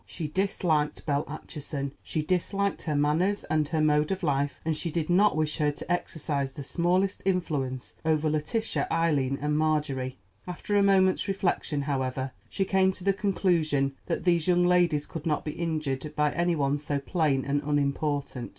She disliked Belle Acheson, she disliked her manners and her mode of life, and she did not wish her to exercise the smallest influence over Letitia, Eileen, and Marjorie. After a moment's reflection, however, she came to the conclusion that these young ladies could not be injured by any one so plain and unimportant.